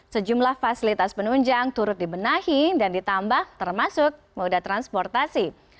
sejumlah fasilitas penunjang turut dibenahi dan ditambah termasuk moda transportasi